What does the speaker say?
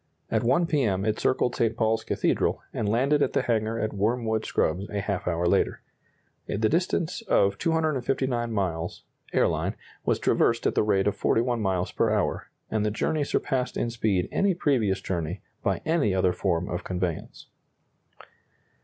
At 1 P. M. it circled St. Paul's Cathedral, and landed at the hangar at Wormwood Scrubbs a half hour later. The distance of 259 miles (airline) was traversed at the rate of 41 miles per hour, and the journey surpassed in speed any previous journey by any other form of conveyance.